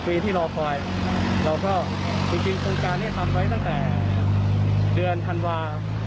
ปีที่รอคอยเราก็จริงโครงการนี้ทำไว้ตั้งแต่เดือนธันวาคม